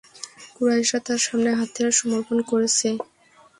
কুরাইশরা তার সামনে হাতিয়ার সমর্পণ করেছে।